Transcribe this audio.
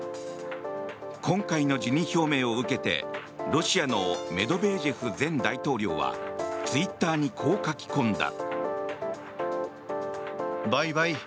今回の辞任表明を受けてロシアのメドベージェフ前大統領はツイッターにこう書き込んだ。